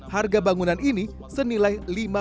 harga bangunan ini senilai